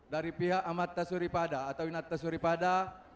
dari pihak amat tasuripada atau inat tasuripada